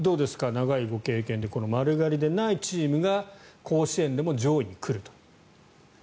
長いご経験で丸刈りじゃないチームが甲子園でも上位に来ると。